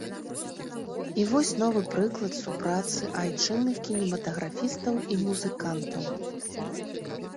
І вось новы прыклад супрацы айчынных кінематаграфістаў і музыкантаў.